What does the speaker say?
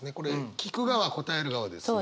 聞く側答える側ですが。